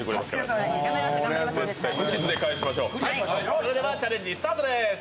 それではチャレンジスタートです。